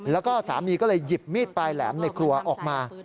แล้วก็สามีก็เลยหยิบมีดปลายแหลมในครัวออกมา